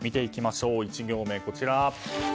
１行目、こちら。